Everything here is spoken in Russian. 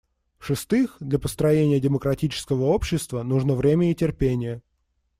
В-шестых, для построения демократического общества нужно время и терпение.